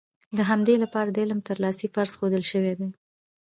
د همدې لپاره د علم ترلاسی فرض ښودل شوی دی.